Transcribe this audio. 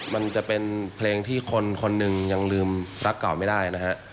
มันจะเป็นเพลงที่คนคนหนึ่งยังลืมรักเก่าไม่ได้นะฮะ